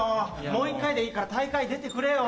もう一回でいいから大会出てくれよ。